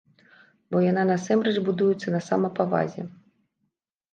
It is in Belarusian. Бо яна насамрэч будуецца на самапавазе.